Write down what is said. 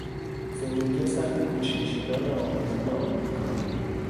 زندگی سخت کوچ نشینان آغازین امریکا